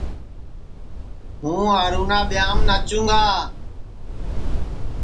ہوں ارونا ٻیاںٚم ناچُوں گا